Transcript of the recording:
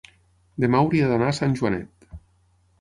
Demà hauria d'anar a Sant Joanet.